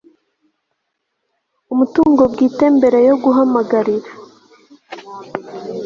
Umutungo bwite Mbere yo guhamagarira